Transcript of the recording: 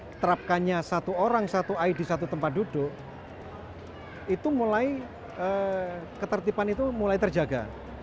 diterapkannya satu orang satu id satu tempat duduk itu mulai ketertiban itu mulai terjaga